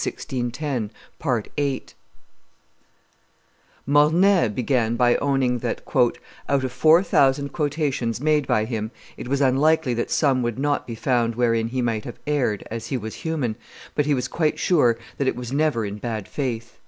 [Illustration: The Castle of Fontainbleau 124] Mornay began by owning that "out of four thousand quotations made by him it was unlikely that some would not be found wherein he might have erred, as he was human, but he was quite sure that it was never in bad faith."